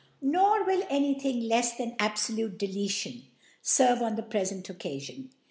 Nor will any Thing lefs than abfolute De letion fcrve on the prelcnt Occafion.